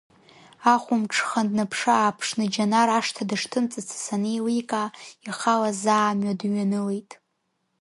Ахәымҽхан, днаԥшы-ааԥшны Џьанар ашҭа дышҭымҵыцыз анеиликаа, ихала заа амҩа дҩанылеит.